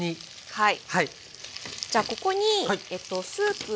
はい。